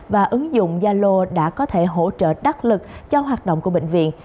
và ứng dụng zalo đã có thể hỗ trợ đắc lực cho hoạt động của bệnh viện